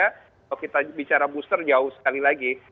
kalau kita bicara booster jauh sekali lagi